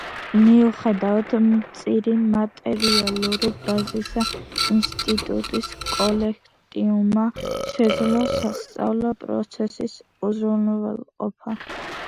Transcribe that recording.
მიუხედავად მწირი მატერიალური ბაზისა ინსტიტუტის კოლექტივმა შეძლო სასწავლო პროცესის უზრუნველყოფა.